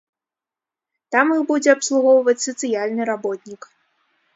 Там іх будзе абслугоўваць сацыяльны работнік.